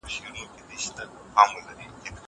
زه کولای سم قلم استعمالوم کړم!